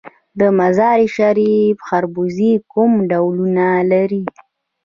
د مزار شریف خربوزې کوم ډولونه لري؟